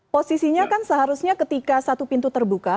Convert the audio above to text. posisinya kan seharusnya ketika satu pintu terbuka